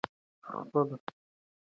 خپل قلمونه را واخلئ.